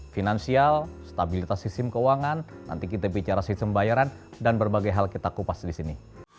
finansial stabilitas sistem keuangan nanti kita bicara sistem bayaran dan berbagai hal kita kupas di sini